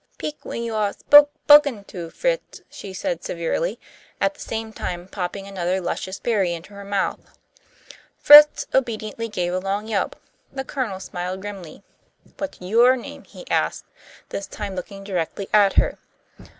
"'Peak when yo'ah 'poken to, Fritz," she said, severely, at the same time popping another luscious berry into her mouth. Fritz obediently gave a long yelp. The Colonel smiled grimly. "What's your name?" he asked, this time looking directly at her.